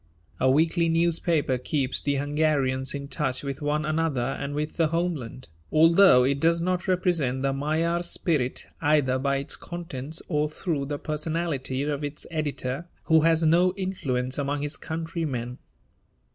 A weekly newspaper keeps the Hungarians in touch with one another and with the homeland, although it does not represent the Magyar spirit either by its contents or through the personality of its editor, who has no influence among his countrymen.